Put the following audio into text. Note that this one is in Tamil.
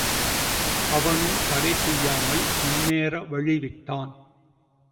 அவனும் தடை செய்யாமல் முன்னேற வழிவிட்டான்.